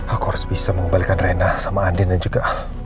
aku harus bisa mengembalikan rena sama andin dan juga